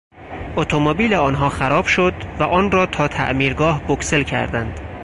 اتومبیل آنها خراب شد و آن را تا تعمیرگاه بکسل کردند.